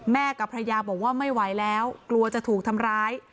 กับภรรยาบอกว่าไม่ไหวแล้วกลัวจะถูกทำร้าย